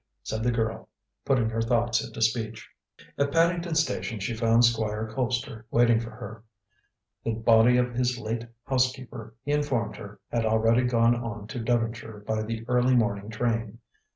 said the girl, putting her thoughts into speech. At Paddington Station she found Squire Colpster waiting for her. The body of his late housekeeper, he informed her, had already gone on to Devonshire by the early morning train.